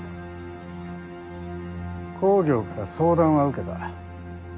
公暁から相談は受けた。